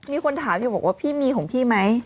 มีคนถามเธอบอกว่าพี่มีของพี่ไหม